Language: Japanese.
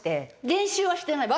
練習はしてない。